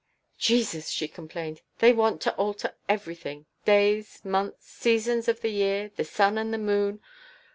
"Jesus!" she complained, "they want to alter everything, days, months, seasons of the year, the sun and the moon!